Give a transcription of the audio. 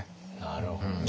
なるほど。